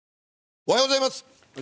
おはようございます。